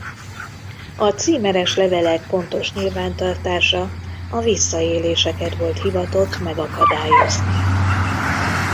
A címeres levelek pontos nyilvántartása a visszaéléseket volt hivatott megakadályozni.